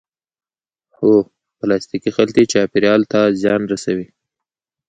هو، پلاستیکی خلطی چاپیریال ته زیان رسوی